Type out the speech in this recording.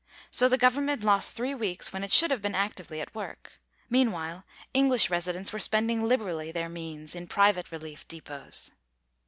So the government lost three weeks when it should have been actively at work. Meanwhile English residents were spending liberally their means in private relief depots.